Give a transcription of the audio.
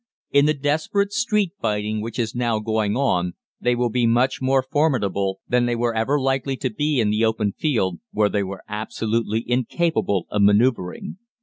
In the desperate street fighting which is now going on they will be much more formidable than they were ever likely to be in the open field, where they were absolutely incapable of manoeuvring.